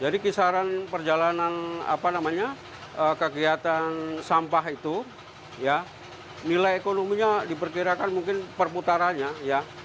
jadi kisaran perjalanan apa namanya kegiatan sampah itu ya nilai ekonominya diperkirakan mungkin perputarannya ya